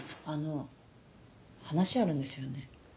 あの話あるんですよね？